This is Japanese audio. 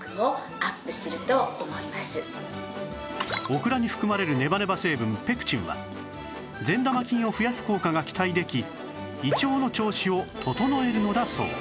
オクラに含まれるネバネバ成分ペクチンは善玉菌を増やす効果が期待でき胃腸の調子を整えるのだそう